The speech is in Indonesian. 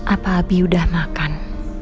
apa abi udah makan